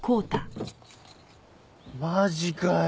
マジかよ